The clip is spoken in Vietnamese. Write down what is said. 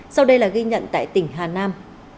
sau đây là ghi nhận tại tỉnh hà nam